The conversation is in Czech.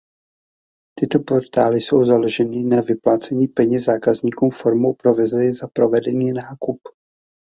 Tyto portály jsou založeny na vyplácení peněz zákazníkům formou provize za provedený nákup.